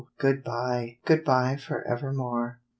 Good bye! Good bye for evermore.